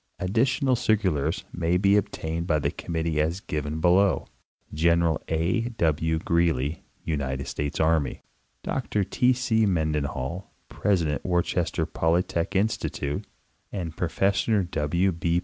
Additional cir culars may be obtained of the committee as given below. General A. W. Greely, United States Army, Dr T. C. Menden hall, President Worcester Polytechnic Institute, and Professor W.